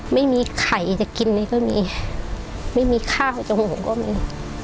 ไม่มีไข่จะกินเลยก็มีไม่มีข้าวจมูกก็มี